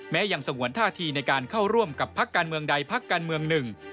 ยังสงวนท่าทีในการเข้าร่วมกับพักการเมืองใดพักการเมืองหนึ่ง